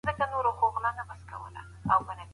زه هره ورځ کتاب لولم